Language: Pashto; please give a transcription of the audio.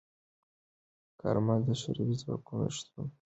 کارمل د شوروي ځواکونو شتون د افغانستان د ملي ګټو لپاره توجیه کړ.